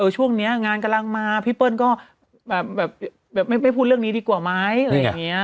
ช่วงนี้งานกำลังมาพี่เปิ้ลก็แบบไม่พูดเรื่องนี้ดีกว่าไหม